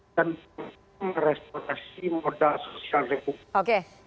dan meresponsasi modal sosial republik